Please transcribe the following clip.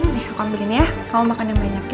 nih aku ambil ini ya kamu makan yang banyak